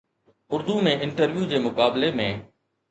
Urdu ۾ interview جي مقابلي ۾